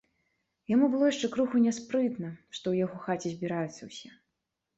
Яму было яшчэ крыху няспрытна, што ў яго хаце збіраюцца ўсе.